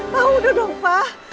pak udah dong pak